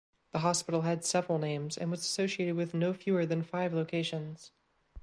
The hospital had several names and was associated with no fewer than five locations.